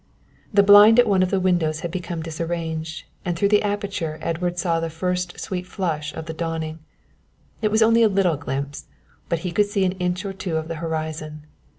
The blind at one of the windows had become disarranged, and through the aperture Edward saw the first sweet flush of the dawning. It was only a little glimpse, but he could see an inch or two of the horizon.